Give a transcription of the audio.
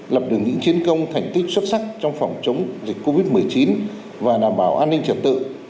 lập được những chiến công thành tích xuất sắc trong phòng chống dịch covid một mươi chín và đảm bảo an ninh trật tự